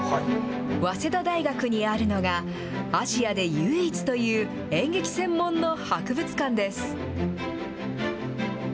早稲田大学にあるのが、アジアで唯一という演劇専門の博物館です。